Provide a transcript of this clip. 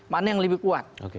mana yang lebih kuat